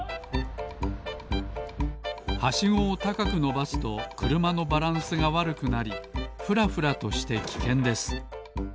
はしごをたかくのばすとくるまのバランスがわるくなりふらふらとしてきけんです。